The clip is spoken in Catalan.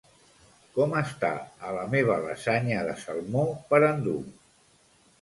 Com està a la meva lasanya de salmó per endur?